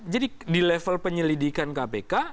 jadi di level penyelidikan kpk